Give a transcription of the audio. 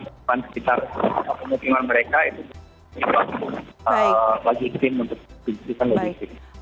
dan sekitar kemungkinan mereka itu juga bagi krim untuk dikisahkan